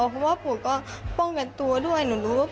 ประตู๓ครับ